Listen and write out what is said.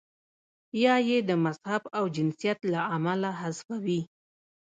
یا یې د مذهب او جنسیت له امله حذفوي.